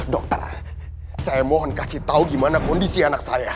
dokter saya mohon kasih tahu gimana kondisi anak saya